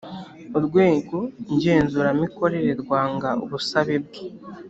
urwego ngenzuramikorere rwanga ubusabe bwe